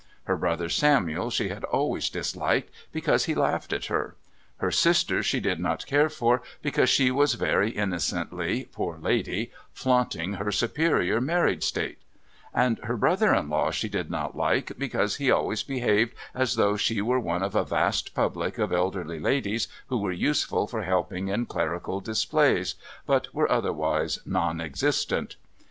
Her brother Samuel she had always disliked because he laughed at her; her sister she did not care for because she was very innocently, poor lady, flaunting her superior married state; and her brother in law she did not like because he always behaved as though she were one of a vast public of elderly ladies who were useful for helping in clerical displays, but were otherwise non existent.